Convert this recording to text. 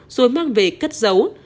rồi mang về cất giấu